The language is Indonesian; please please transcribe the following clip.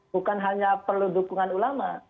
bukan hanya perlu dukungan ulama